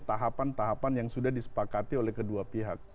tahapan tahapan yang sudah disepakati oleh kedua pihak